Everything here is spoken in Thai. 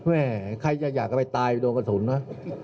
แม่ใครจะอยากจะไปตายไปโดนกระสุนนะ